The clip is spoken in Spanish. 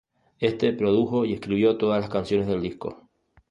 Éste produjo y escribió todas las canciones del disco.